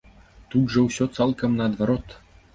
Тут жа ўсё цалкам наадварот.